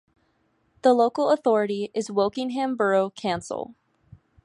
The local authority is Wokingham Borough Council.